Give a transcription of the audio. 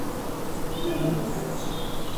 তুমিও আমাকে ভালোবাসো।